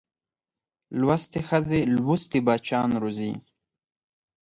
لوستې ښځې لوستي بچیان روزي